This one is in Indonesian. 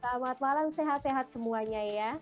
selamat malam sehat sehat semuanya ya